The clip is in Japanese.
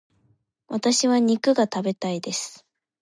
私は肉が食べたいです。